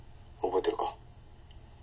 覚えてるか？